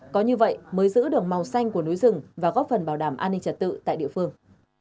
có như vậy mới giữ được màu xanh của núi rừng và góp phần bảo đảm an ninh trật tự tại địa phương